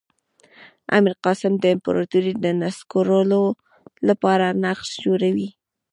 میرقاسم د امپراطور د نسکورولو لپاره نقشې جوړوي.